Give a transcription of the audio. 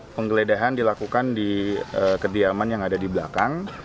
penggeledahan dilakukan di kediaman yang ada di belakang